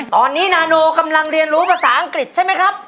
ตอนนี้นาโนกำลังเรียนรู้ภาษาอังกฤษใช่ไหมครับ